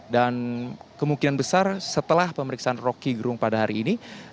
dan kemungkinan besar setelah pemeriksaan rokigrung pada hari ini